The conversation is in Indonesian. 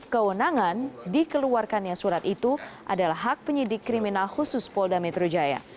kewenangan dikeluarkannya surat itu adalah hak penyidik kriminal khusus polda metro jaya